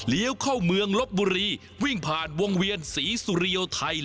เข้าเมืองลบบุรีวิ่งผ่านวงเวียนศรีสุริโยไทย